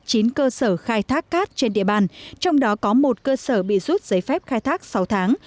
trên cơ sở khai thác cát trên địa bàn trong đó có một cơ sở bị rút giấy phép khai thác sáu tháng